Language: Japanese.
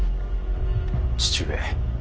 父上。